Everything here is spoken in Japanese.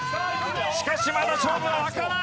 しかしまだ勝負はわからない！